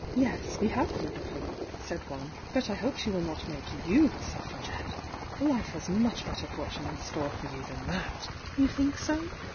.'yes,_we have heard of her," said one. But 1 hope she will not make you a Suffragette! Life has mudi better fortune in store for you than ttiat! "You think so?"